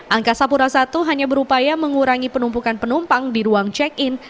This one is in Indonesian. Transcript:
angkasa pura i hanya berupaya mengurangi penumpukan penumpang di ruang check in